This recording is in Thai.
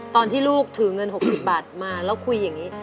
ตอนที่ลูกถือเงิน๖๐บาทมาแล้วคุยอย่างนี้